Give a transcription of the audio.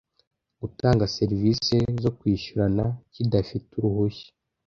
Gutanga servisi zo kwishyurana kidafite uruhushya